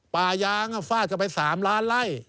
ป่ายางฟาดกันไป๓ล้านไล่